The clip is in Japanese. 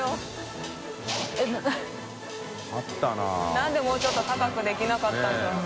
何でもうちょっと高くできなかったんだろう？